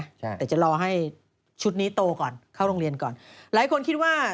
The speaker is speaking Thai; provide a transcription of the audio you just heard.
ใช่แต่จะรอให้ชุดนี้โตก่อนเข้าโรงเรียนก่อนหลายคนคิดว่า